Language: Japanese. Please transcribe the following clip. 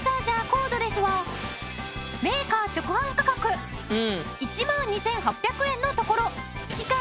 コードレスはメーカー直販価格１万２８００円のところ期間